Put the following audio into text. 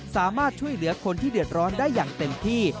สามารถช่วยเหลือคนที่เดือดร้อนได้อย่างเต็มที่